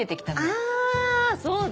あそうだ。